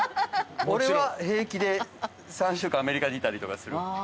俺は平気で３週間アメリカに行ったりとかする。